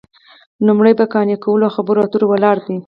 لومړۍ یې په قانع کولو او خبرو اترو ولاړه ده